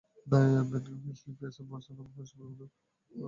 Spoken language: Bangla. বেন কিংসলি এবং পিয়ার্স ব্রসনান পরস্পরের বন্ধু।